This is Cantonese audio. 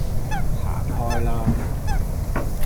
行開啦